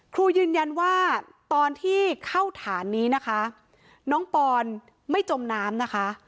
ครูยืนยันว่าตอนที่เข้าฐานนี้นะคะน้องปอนไม่จมน้ำนะคะ